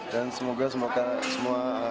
dan semoga semoga semua akan berjalan lalu